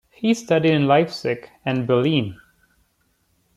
He studied in Leipzig and Berlin.